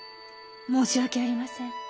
申し訳ありません。